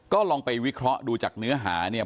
ก็ลองไปวิเคราะห์ดูจากเนื้อหาเนี่ย